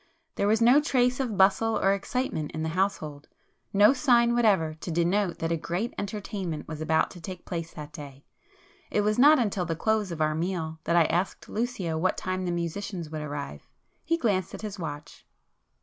There was no trace of bustle or excitement in the household,—no sign whatever to denote that a great entertainment was about to take place that day. It was not until the close of our meal that I asked Lucio what time the musicians would arrive. He glanced at his watch.